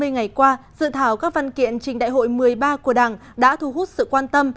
hai mươi ngày qua dự thảo các văn kiện trình đại hội một mươi ba của đảng đã thu hút sự quan tâm